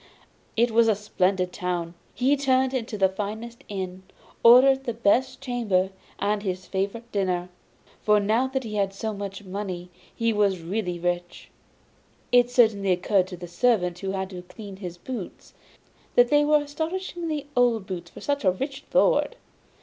It was a splendid town! He turned into the finest inn, ordered the best chamber and his favourite dinner; for now that he had so much money he was really rich. It certainly occurred to the servant who had to clean his boots that they were astonishingly old boots for such a rich lord.